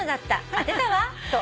当てたわ』と」